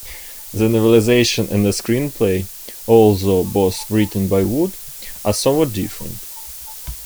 The novelization and the screenplay, although both written by Wood, are somewhat different.